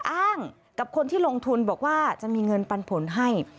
อ้างกับคนที่ลงทุนบอกว่าจะมีเงินปันผลให้